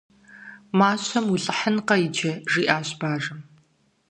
Мащэм уилӏыхьынкъэ иджы! - жиӏащ бажэм.